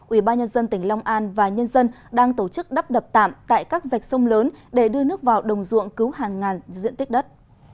ubnd tỉnh long an và nhân dân đang tổ chức đắp đập tạm tại các dạch sông lớn để đưa nước vào đồng ruộng cứu hàng ngàn diện tích đất